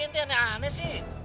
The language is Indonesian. ini aneh aneh sih